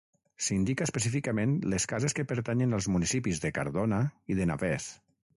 S'hi indica específicament les cases que pertanyen als municipis de Cardona i de Navès.